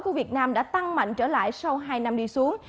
của việt nam đã tăng mạnh trở lại sau hai năm đi xuống